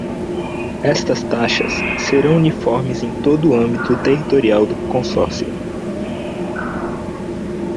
Estas taxas serão uniformes em todo o âmbito territorial do Consórcio.